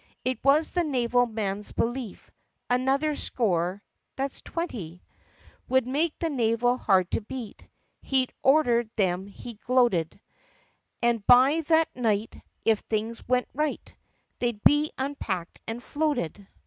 It was the naval man's belief Another score (that 's twenty) Would make the navy hard to beat. He'd ordered them, he gloated, And by that night, if things went right, They 'd be unpacked and floated